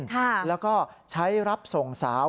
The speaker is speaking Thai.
ค่ะแล้วก็ใช้รับส่งสาว